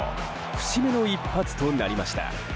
節目の一発となりました。